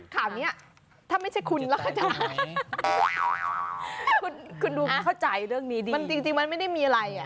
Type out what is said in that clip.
ขอบนี้ถ้าไม่ใช่คุณคุณดูเข้าใจเรื่องนี้ดีมันจริงจริงมันไม่ได้มีอะไร